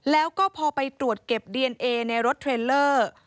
แล้วก็พอไปตรวจเก็บดีเอนเอในรถเทรลเลอร์